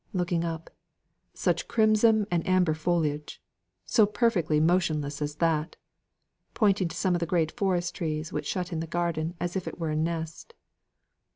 looking up "such crimson and amber foliage, so perfectly motionless as that!" pointing to some of the great forest trees which shut in the garden as if it were a nest.